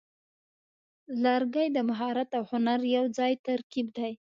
لرګی د مهارت او هنر یوځای ترکیب دی.